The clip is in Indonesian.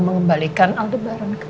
diberikan tempat terbaik